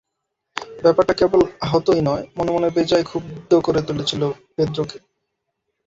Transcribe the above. ব্যাপারটা কেবল আহতই নয়, মনে মনে বেজায় ক্ষুব্ধ করে তুলেছিল পেদ্রোকে।